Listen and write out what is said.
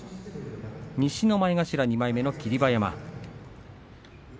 西の前頭２枚目、霧馬山。